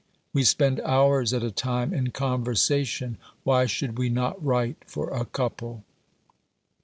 We spend hours at a time in conversation, why should we not write for a couple